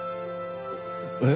えっ？